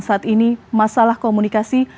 saat ini masalah komunikasi